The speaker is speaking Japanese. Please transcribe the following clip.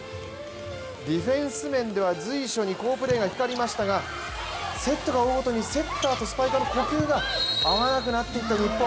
ディフェンス面では随所に好プレーが光りましたがセットを追うごとにセッターとスパイカーの呼吸が合わなくなっていった日本。